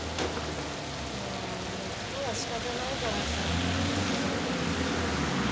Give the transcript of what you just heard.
まぁもう今日は仕方ないからさ帰ろうよ。